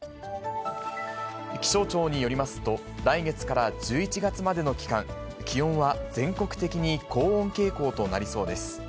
気象庁によりますと、来月から１１月までの期間、気温は全国的に高温傾向となりそうです。